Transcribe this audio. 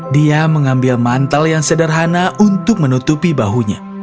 dia mengambil mantel yang sederhana untuk menutupi bahunya